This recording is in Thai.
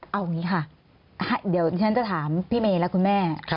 เอาอย่างนี้ค่ะเดี๋ยวฉันจะถามพี่เมย์และคุณแม่